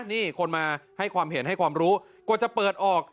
นี่คนมาให้ความเห็นให้ความรู้กว่าจะเปิดออก